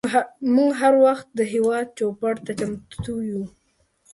موږ هر وخت د هیواد چوپړ ته چمتو یوو.